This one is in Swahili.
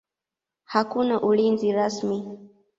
Hakuna ulinzi rasmi.